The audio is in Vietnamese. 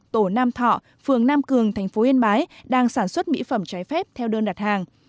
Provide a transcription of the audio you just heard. tổ nam thọ phường nam cường thành phố yên bái đang sản xuất mỹ phẩm trái phép theo đơn đặt hàng